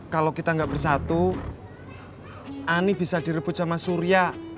kalau kita gak bersatu ani bisa direbut sama suria